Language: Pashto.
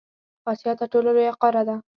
اسیا تر ټولو لویه قاره ده.